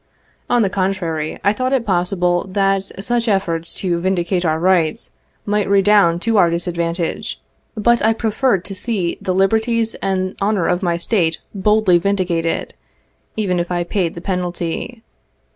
On the coutrary, I thought it possible that such efforts to vindicate our rights might redound to our disadvantage, but I preferred to see the liberties and honor of my State boldly vindicated, even if I paid the penalty.